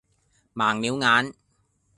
盲了眼